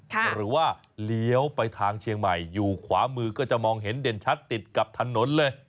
หรือว่าเลี้ยวไปทางเชียงใหม่อยู่ขวามือก็จะมองเห็นเด่นชัดติดกับถนนเลย